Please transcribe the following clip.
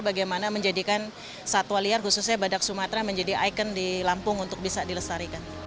bagaimana menjadikan satwa liar khususnya badak sumatera menjadi ikon di lampung untuk bisa dilestarikan